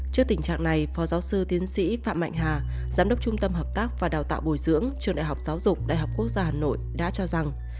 trước tình trạng này phó giáo sư tiến sĩ phạm mạnh hà giám đốc trung tâm hợp tác và đào tạo bồi dưỡng trường đại học giáo dục đại học quốc gia hà nội đã cho rằng